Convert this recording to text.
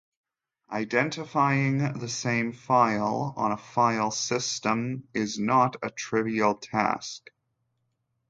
Identifying the same file on a file system is not a trivial task.